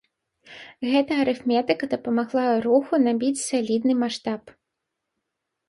Гэта арыфметыка дапамагла руху набыць салідны маштаб.